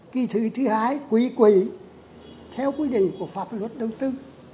kỳ thứ thứ hai quỷ quỷ theo quy định của pháp luật đầu tư